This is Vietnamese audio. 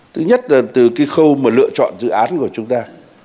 thứ nhất là từ cái khâu mà lựa chọn dự án của chúng ta